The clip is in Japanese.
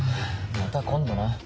また今度な。